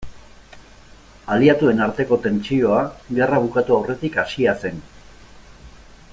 Aliatuen arteko tentsioa gerra bukatu aurretik hasia zen.